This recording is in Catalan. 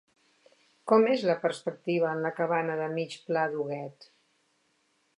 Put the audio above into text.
Com és la perspectiva en la cabana de mig pla d'Huguet?